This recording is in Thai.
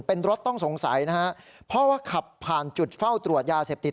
เป็นรถต้องสงสัยนะฮะเพราะว่าขับผ่านจุดเฝ้าตรวจยาเสพติด